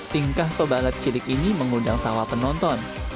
tingkah pebalap cilik ini mengundang tawa penonton